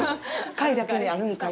貝だけにあるんかい！